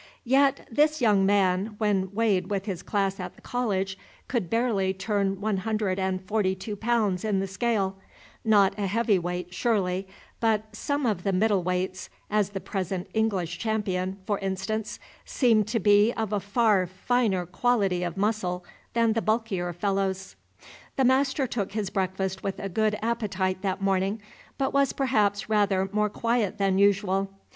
Yet this young man, when weighed with his class at the college, could barely turn one hundred and forty two pounds in the scale, not a heavy weight, surely; but some of the middle weights, as the present English champion, for instance, seem to be of a far finer quality of muscle than the bulkier fellows. The master took his breakfast with a good appetite that morning, but was perhaps rather more quiet than usual.